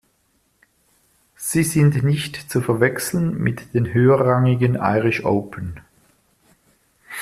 Sie sind nicht zu verwechseln mit den höherrangigen Irish Open.